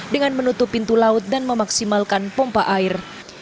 dengan menutup pintu laut dan memaksimalkan pompa air